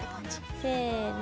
せの。